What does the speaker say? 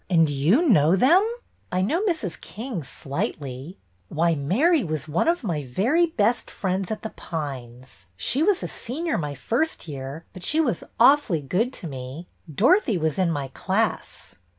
And you know them ?"'' I know Mrs. King slightly." Why, Mary was one of my very best friends at The Pines. She was a senior my first year, but she was awfully good to me. Dorothy was in my class."